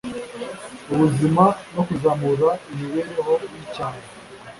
ubuzima no kuzamura imibereho y’icyaro